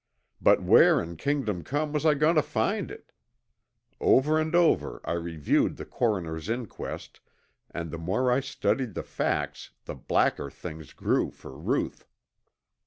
But where in Kingdom Come was I going to find it? Over and over I reviewed the coroner's inquest and the more I studied the facts the blacker things grew for Ruth.